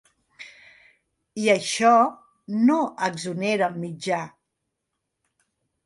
I això no exonera el mitjà.